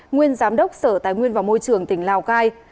nguyên giám đốc sở tài nguyên và môi trường tỉnh lào cai